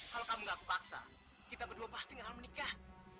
kalau kamu gak kepaksa kita berdua pasti nggak akan menikah